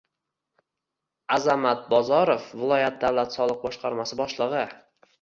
Azamat Bozorov - viloyat davlat soliq boshqarmasi boshlig'i